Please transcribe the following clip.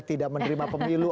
tidak menerima pemilu